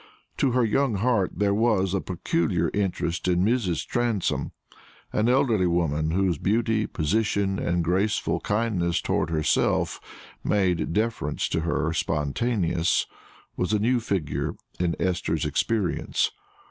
To her young heart there was a peculiar interest in Mrs. Transome. An elderly woman, whose beauty, position, and graceful kindness toward herself, made deference to her spontaneous, was a new figure in Esther's experience.